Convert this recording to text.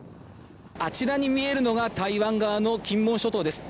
あちらに見えるのが台湾側の金門諸島です。